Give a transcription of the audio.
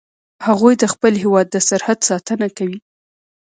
هغوی د خپل هیواد د سرحد ساتنه کوي